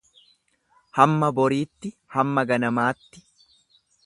Hamma boriitti hamma ganamaatti.